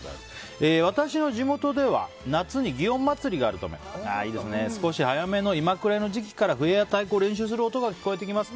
私の地元では夏に祇園祭があるため少し早めの今くらいの時期から笛や太鼓を練習する音が聞こえてきます。